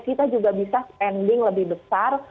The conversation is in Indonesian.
kita juga bisa spending lebih besar